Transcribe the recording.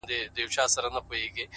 بریا د عادتونو پایله ده.!